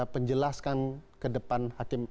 penjelaskan ke depan hakim